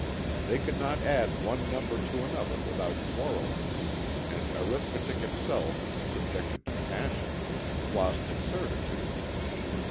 They could not add one number to another without quarrelling, and arithmetic itself, subjected to passion, lost its certitude.